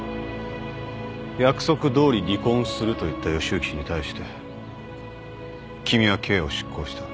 約束どおり離婚すると言った義之氏に対して君は刑を執行した。